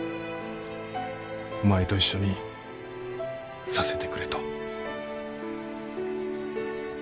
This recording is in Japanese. お前と一緒にさせてくれと。